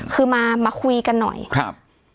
คือมามาคุยกันหน่อยครับ